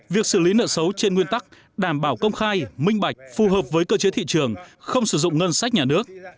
việc xử lý nợ xấu trên nguyên tắc đảm bảo công khai minh bạch phù hợp với cơ chế thị trường không sử dụng ngân sách nhà nước